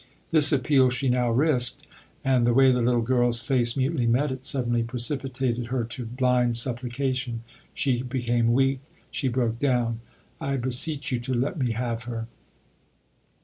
This appeal she now risked, and the way the little girl's face mutely met it suddenly precipitated her to blind supplication. She became weak she broke down. " I beseech you to let me have her."